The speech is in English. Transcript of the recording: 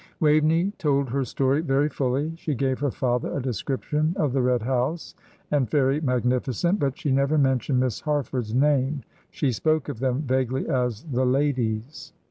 Waveney told her story very fully. She gave her father a description of the Red House and Fairy Magnificent, but she never mentioned Miss Harford's name; she spoke of them vaguely as "the ladies."